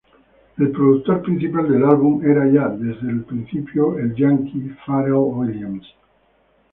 El productor principal del álbum era ya desde el principio el estadounidense Pharrell Williams.